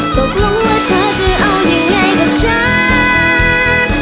ตกลงแล้วเธอจะเอายังไงกับฉัน